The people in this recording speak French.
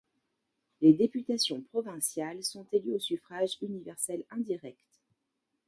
Les Députations provinciales sont élues au suffrage universel indirect.